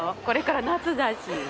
これから夏だし。